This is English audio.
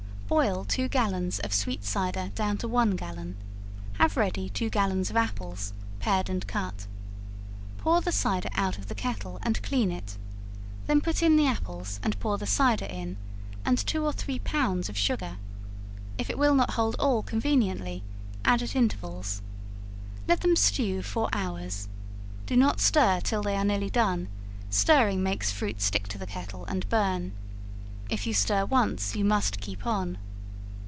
Boil two gallons of sweet cider down to one gallon; have ready two gallons of apples, pared and cut; pour the cider out of the kettle, and clean it; then put in the apples, and pour the cider in, and two or three pounds of sugar; if it will not hold all conveniently, add at intervals; let them stew four hours; do not stir till they are nearly done stirring makes fruit stick to the kettle and burn; if you stir once you must keep on.